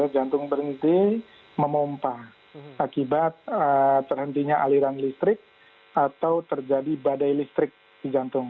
jantung berhenti memompah akibat terhentinya aliran listrik atau terjadi badai listrik di jantung